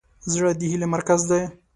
زړه د هیلې مرکز دی.